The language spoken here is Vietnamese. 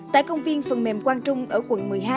tại công viên phần mềm quang trung ở quận một mươi hai